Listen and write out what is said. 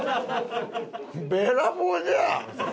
べらぼうじゃ！